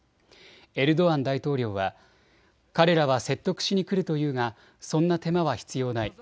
エルドアン大統領は、彼らは説得しにくるというがそんな手間は必要ない。